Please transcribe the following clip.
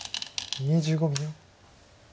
２５秒。